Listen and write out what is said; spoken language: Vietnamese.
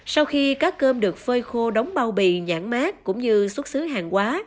sau khi cá cơm được phơi khô đóng bao bì nhãn mát cũng như xuất xứ hàng quá